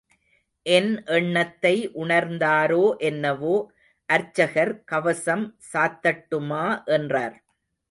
என் எண்ணத்தை உணர்ந்தாரோ என்னவோ அர்ச்சகர் கவசம் சாத்தட்டுமா என்றார்.